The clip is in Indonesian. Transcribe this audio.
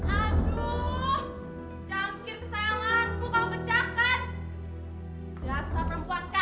aduh jangkir kesayanganku kau kecahkan